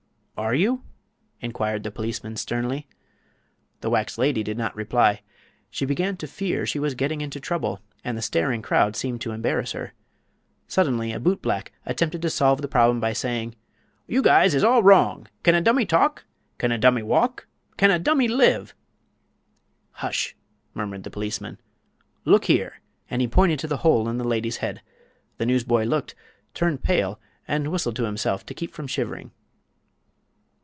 "Are you?" inquired the policeman, sternly. The wax lady did not reply. She began to fear she was getting into trouble, and the staring crowd seemed to embarrass her. Suddenly a bootblack attempted to solve the problem by saying: "You guys is all wrong! Can a dummy talk? Can a dummy walk? Can a dummy live?" "Hush!" murmured the policeman. "Look here!" and he pointed to the hole in the lady's head. The newsboy looked, turned pale and whistled to keep himself from shivering.